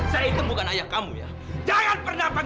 lara itu enggak salah apa apa